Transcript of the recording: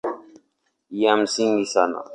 Ya msingi sana